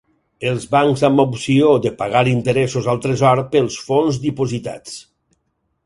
Els bancs amb opció de pagar interessos al tresor pels fons dipositats.